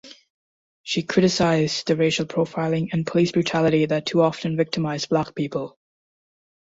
She criticized the racial profiling and police brutality that too often victimize Black people.